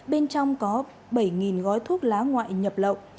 bên trong có bảy gói thuốc lá ngoại nhập lậu